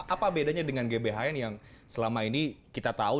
apa bedanya dengan gbhn yang selama ini kita tahu